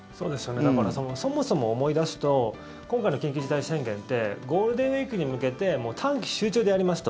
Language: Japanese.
そもそも思い出すと今回の緊急事態宣言ってゴールデンウィークに向けて短期集中でやりますと。